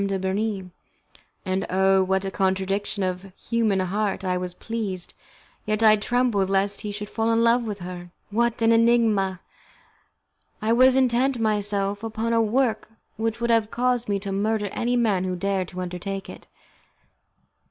de Bernis, and, oh! what a contradiction of the human heart! I was pleased, yet I trembled lest he should fall in love with her! What an enigma! I was intent myself upon a work which would have caused me to murder any man who dared to undertake it.